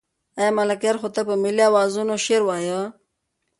آیا ملکیار هوتک په ملي اوزانو شعر وایه؟